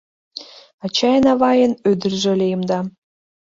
Ачайын-авайын ӱдыржӧ лийым да